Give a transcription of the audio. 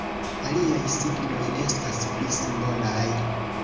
Aliaj signoj estas pli simbolaj.